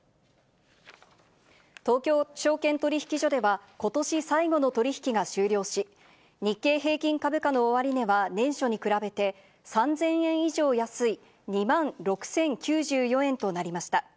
東京証券取引所では、ことし最後の取り引きが終了し、日経平均株価の終値は、年初に比べて３０００円以上安い２万６０９４円となりました。